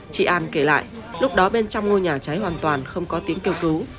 chị an kể lại lúc đó bên trong ngôi nhà cháy hoàn toàn không có tiếng kêu cứu